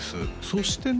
そしてね